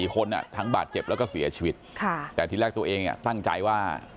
คนทั้งบาดเจ็บแล้วก็เสียชีวิตแต่ที่แรกตัวเองตั้งใจว่า